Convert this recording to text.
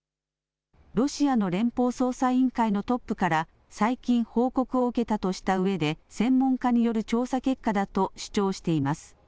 ロシアの連邦捜査委員会のトップから最近、報告を受けたとしたうえで専門家による調査結果だと主張しています。